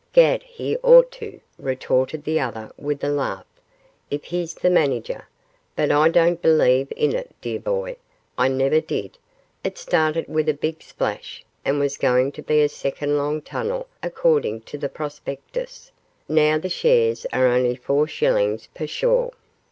'Gad, he ought to,' retorted the other with a laugh, 'if he's the manager; but I don't believe in it, dear boy, I never did; it started with a big splash, and was going to be a second Long Tunnel according to the prospectus; now the shares are only four shillings pshaw!